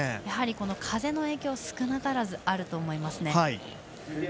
やはり風の影響は少なからずあると思います。